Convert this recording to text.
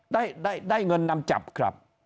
ได้ได้เงินนำจับครับ